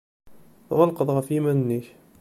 Tɣelqeḍ ɣef yiman-nnek.